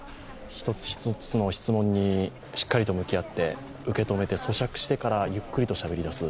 一つ一つの質問にしっかりと向き合って受け止めて咀嚼してからゆっくりとしゃべり出す。